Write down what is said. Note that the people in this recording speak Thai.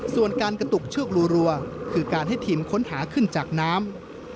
ส่วนการกระตุกเชือกรัวคือการให้ทีมค้นหาขึ้นจากน้ำ